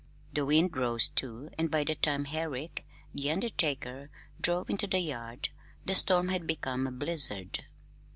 The wind rose, too, and by the time Herrick, the undertaker, drove into the yard, the storm had become a blizzard.